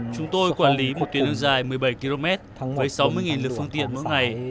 chúng tôi quản lý một tuyến đường dài một mươi bảy km thắng với sáu mươi lượt phương tiện mỗi ngày